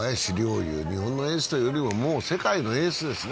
もう日本のエースというよりも世界のエースですね。